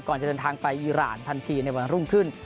จะเดินทางไปอีรานทันทีในวันรุ่งขึ้น